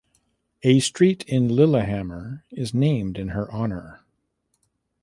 A street in Lillehammer is named in her honor.